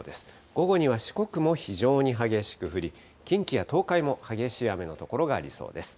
午後には四国も非常に激しく降り、近畿や東海も激しい雨の所がありそうです。